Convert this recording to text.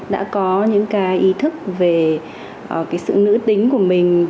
đã có những cái ý thức về cái sự nữ tính của mình